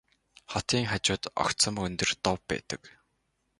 Хотын хажууд огцом өндөр дов байдаг.